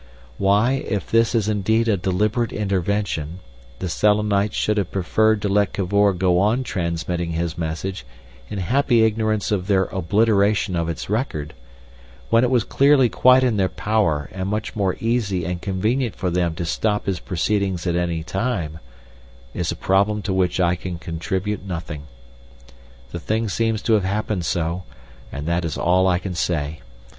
Why, if this is indeed a deliberate intervention, the Selenites should have preferred to let Cavor go on transmitting his message in happy ignorance of their obliteration of its record, when it was clearly quite in their power and much more easy and convenient for them to stop his proceedings at any time, is a problem to which I can contribute nothing. The thing seems to have happened so, and that is all I can say.